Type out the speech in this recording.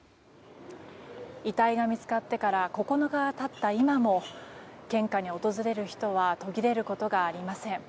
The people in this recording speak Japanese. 遺体が見つかってから９日が経った今も献花に訪れる人は途切れることがありません。